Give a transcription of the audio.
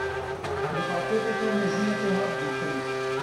Li Xarpêtê termê jinekê hat dîtin.